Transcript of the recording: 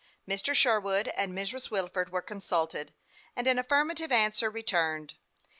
Mr. Sherwood and Mrs. Wilford were consulted, and an affirmative answer returned.